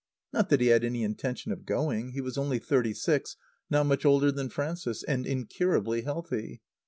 Not that he had any intention of going; he was only thirty six (not much older than Frances) and incurably healthy.